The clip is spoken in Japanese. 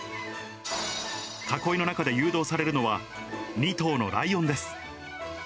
囲いの中で誘導されるのは、２頭のライオンです。